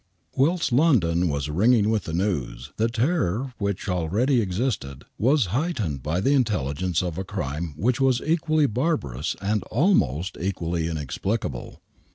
Whilst London was ringing with the news, the terror which already existed was heightened by the intelligence of a crime which was equally barbarous and almost equally inexplicable.